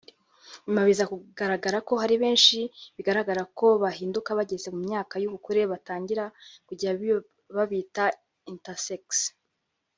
nyuma biza kugaraga ko hari benshi bigaragara ko bahinduka bageze mu myaka y’ubukure batangira kujya babita “intersex